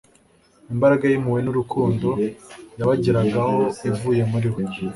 imbaraga y'impuhwe n'urukundo yabageragaho ivuye muri we.